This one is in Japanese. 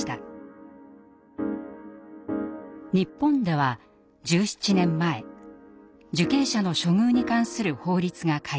日本では１７年前受刑者の処遇に関する法律が改正。